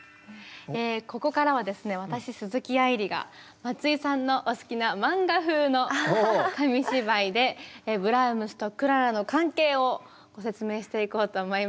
ここからはですね私鈴木愛理が松井さんのお好きな漫画風の紙芝居でブラームスとクララの関係をご説明していこうと思います。